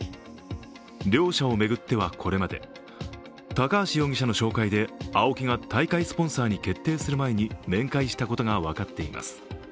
両者を巡っては、これまで高橋容疑者の紹介でＡＯＫＩが大会スポンサーに決定する前に面会したことが分かっています。